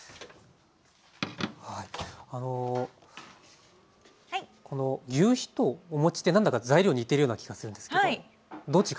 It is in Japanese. あのぎゅうひとお餅って何だか材料似てるような気がするんですけどどう違うんですか？